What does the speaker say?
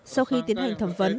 sau khi tiến hành thẩm vấn